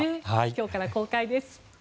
今日から公開です。